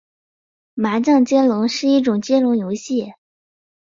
麻将接龙是一种接龙游戏。